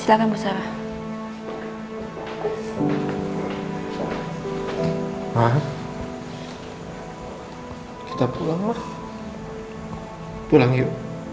aku kangen banget zak